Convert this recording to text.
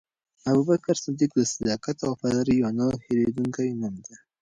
ابوبکر صدیق د صداقت او وفادارۍ یو نه هېرېدونکی نوم دی.